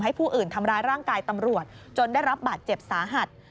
ผู้อื่นทำร้ายร่างกายตำรวจจนได้รับบาดเจ็บสาหัส